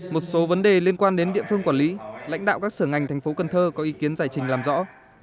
một số vấn đề liên quan đến địa phương quản lý lãnh đạo các sở ngành thành phố cần thơ có ý kiến giải trình làm rõ